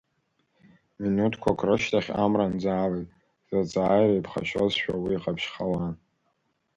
Минуҭқәак рышьҭахь Амра нӡаалеит, заҵааира иԥхашьозшәа уи ҟаԥшьхауан.